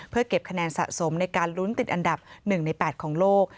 เพื่อเก็บคะแนนสะสมในการลุ้นติดอันดับ๑ใน๘ของโลก